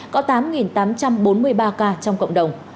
có tám tám trăm bốn mươi ba ca trong cộng đồng